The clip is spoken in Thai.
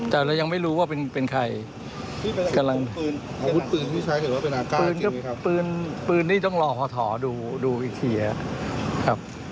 แต่เรายังไม่รู้ว่าเป็นใคร